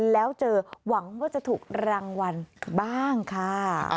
แล้วเจอหวังว่าจะถูกรางวัลบ้างค่ะ